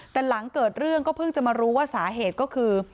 แต่หลังเกิดเรื่องก็เพิ่งจะมารู้ว่าสาเหตุก็คือ